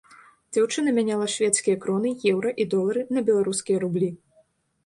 Дзяўчына мяняла шведскія кроны, еўра і долары на беларускія рублі.